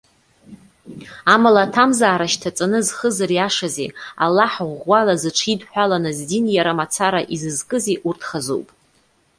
Амала, аҭамзаара шьҭаҵаны зхы зыриашази, Аллаҳ ӷәӷәала зыҽидҳәаланы здин иара мацара изызкызи урҭ хазуп.